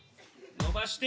伸ばして。